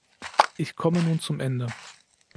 Ich komme nun zum Ende.